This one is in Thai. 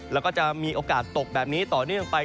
แล้วก็จะมีโอกาสตกแบบนี้ต่อเนื่องไป